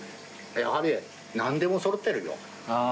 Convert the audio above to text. やはり何でもそろってるよ。